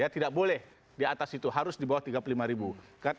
tidak boleh di atas itu harus di bawah tiga puluh lima ribu